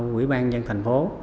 quỹ ban dân thành phố